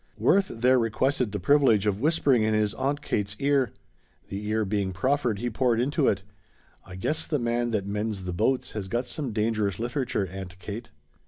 Worth there requested the privilege of whispering in his Aunt Kate's ear. The ear being proffered, he poured into it: "I guess the man that mends the boats has got some dangerous literature, Aunt Kate."